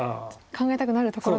考えたくなるところでは。